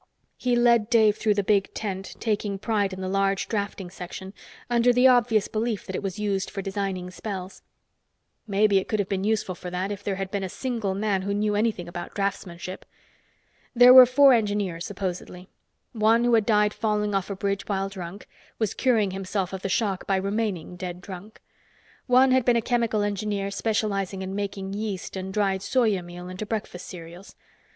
He led Dave through the big tent, taking pride in the large drafting section under the obvious belief that it was used for designing spells. Maybe it could have been useful for that if there had been a single man who knew anything about draftsmanship. There were four engineers, supposedly. One, who had died falling off a bridge while drunk, was curing himself of the shock by remaining dead drunk. One had been a chemical engineer specializing in making yeast and dried soya meal into breakfast cereals.